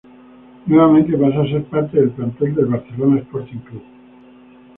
Nuevamente pasa a ser parte del plantel del Barcelona Sporting Club.